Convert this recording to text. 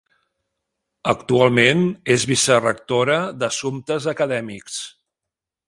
Actualment és vicerectora d’assumptes acadèmics.